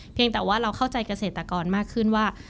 แต่ว่าเราเข้าใจเกษตรกรมากขึ้นว่า